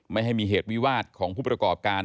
ไม่ให้มีเหตุวิวาสของผู้ประกอบการ